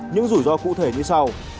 những rủi ro cụ thể như sau